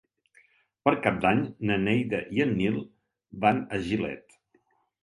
Per Cap d'Any na Neida i en Nil van a Gilet.